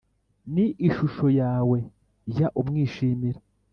ni ishusho yawe jya umwishimira